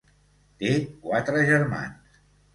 Té quatre germans.